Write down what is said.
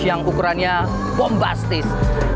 yang ukurannya bombastis